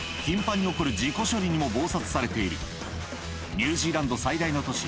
ニュージーランド最大の都市